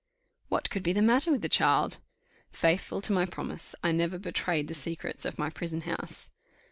"What could be the matter with the child?" Faithful to my promise, I never betrayed the secrets of my prison house.